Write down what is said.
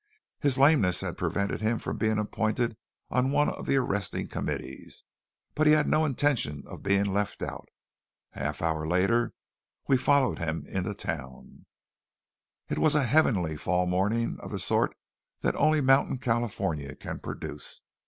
His lameness had prevented him from being appointed on one of the arresting committees, but he had no intention of being left out. A half hour later we followed him into town. It was a heavenly fall morning of the sort that only mountain California can produce.